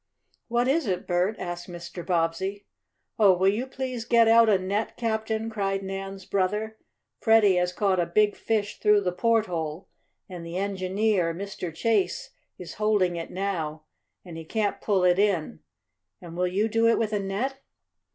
"What is it, Bert?" asked Mr. Bobbsey. "Oh, will you please get out a net, Captain!" cried Nan's brother. "Freddie has caught a big fish through the porthole and the engineer Mr. Chase is holding it now, and he can't pull it in, and will you do it with a net?"